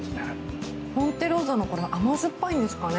ポンテローザの甘酸っぱいんですかね。